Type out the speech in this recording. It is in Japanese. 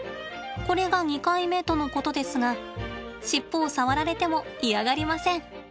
これが２回目とのことですが尻尾を触られても嫌がりません。